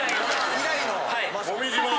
以来の。